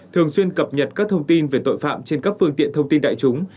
thường xuyên cập nhật các thông tin về tội phạm trên các phương tiện thông tin đại chúng